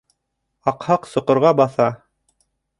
Аҡһаҡ соҡорға баҫа.